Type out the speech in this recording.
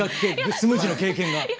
スムージーの経験が。